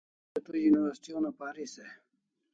Waresho tu university una paris e?